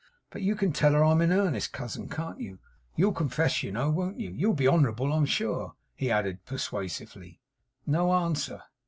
But you can tell her I'm in earnest, cousin; can't you? You'll confess you know, won't you? You'll be honourable, I'm sure,' he added persuasively. No answer.